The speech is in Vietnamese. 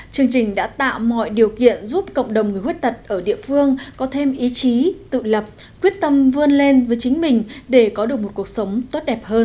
chương trình đã tạo mọi điều kiện giúp cộng đồng người khuyết tật ở địa phương có thêm ý chí tự lập quyết tâm vươn lên với chính mình để có được một cuộc sống tốt đẹp hơn